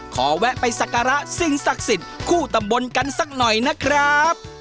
แวะไปสักการะสิ่งศักดิ์สิทธิ์คู่ตำบลกันสักหน่อยนะครับ